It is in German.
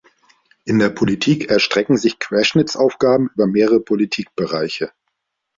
In der Politik erstrecken sich Querschnittsaufgaben über mehrere Politikbereiche.